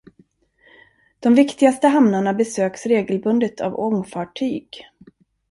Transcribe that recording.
De viktigaste hamnarna besöks regelbundet av ångfartyg.